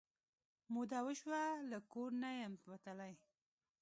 موده وشوه له کور نه یم وتلې